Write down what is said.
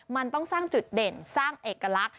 มันต้องสร้างจุดเด่นสร้างเอกลักษณ